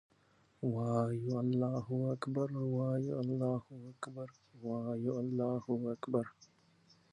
وایو الله اکــبر، وایو الله اکـــبر، وایـــــو الله اکــــــــبر